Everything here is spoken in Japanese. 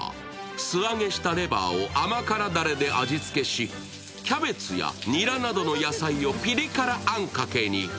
素揚げしたレバーを甘辛だれで味付けし、キャベツやにらの野菜をピリ辛あんかけに。